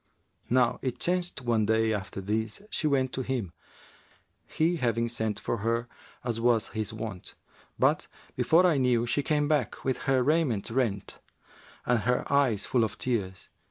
Now it chanced one day, after this, she went to him, he having sent for her, as was his wont; but, before I knew, she came back, with her raiment rent and her eyes full of tears.